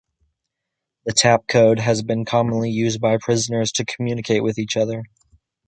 The tap code has been commonly used by prisoners to communicate with each other.